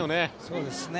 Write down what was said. そうですね。